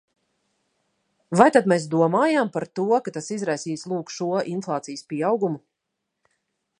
Vai tad mēs domājām par to, ka tas izraisīs, lūk, šo inflācijas pieaugumu?